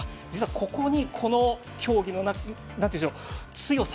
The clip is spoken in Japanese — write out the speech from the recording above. ここに、この競技の強さ。